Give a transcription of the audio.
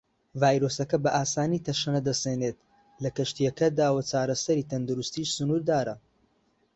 ڤایرۆسەکە بە ئاسانی تەشەنە دەستێنێت لە کەشتییەکەدا وە چارەسەری تەندروستیش سنوردارە.